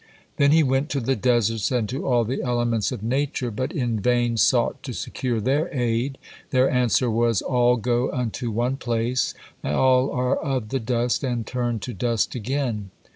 Then he went to the Deserts, and to all the Elements of Nature, but in vain sought to secure their aid. Their answer was : "All go unto one place; all are of the dust, and turn to dust again."